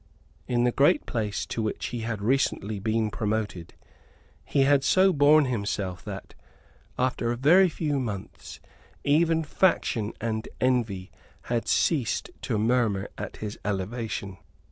In the great place to which he had recently been promoted, he had so borne himself that, after a very few months, even faction and envy had ceased to murmur at his elevation.